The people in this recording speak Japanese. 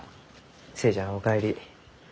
寿恵ちゃんお帰り。